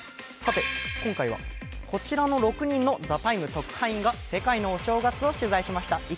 さて、今回はこちらの６人の「ＴＨＥＴＩＭＥ，」特派員が世界のお正月を取材しました。